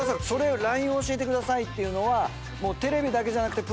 ＬＩＮＥを教えてくださいっていうのは。